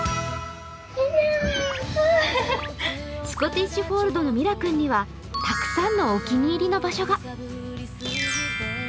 スコティッシフォールドのミラ君にはたくさんのお気に入りの場所が。